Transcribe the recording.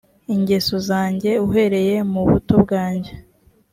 ingeso zanjye uhereye mu buto bwanjye